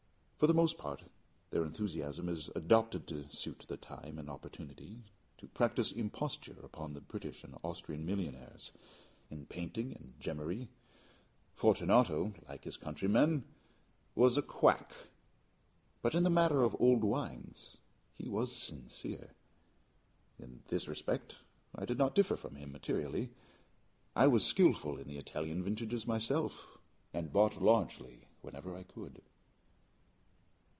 For the most part their enthusiasm is adopted to suit the time and opportunity to practise imposture upon the British and Austrian millionaires. In painting and gemmary, Fortunato, like his countrymen, was a quack but in the matter of old wines he was sincere. In this respect I did not differ from him materially: I was skillful in the Italian vintages myself, and bought largely whenever I could.